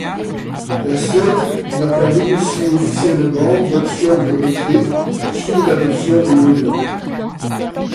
La Suède n'a pas négocié officiellement d'option de retrait sur l'adoption de l'euro.